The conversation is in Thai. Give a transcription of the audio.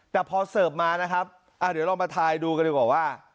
แต่พอเสิร์ฟมานะครับเดี๋ยวเรามาทายดูกันดีกว่าว่า